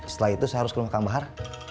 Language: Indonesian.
setelah itu saya harus ke rumah kangbahar